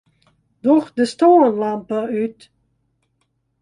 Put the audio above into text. Doch de stânlampe út.